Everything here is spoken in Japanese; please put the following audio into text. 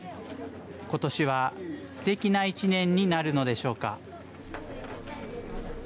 ことしは、すてきな１年になるのでしょうか。